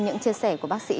những chia sẻ của bác sĩ